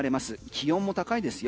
気温も高いんですよ